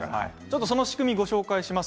仕組みをご紹介します。